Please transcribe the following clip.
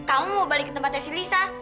kamu mau balik ke tempatnya si lisa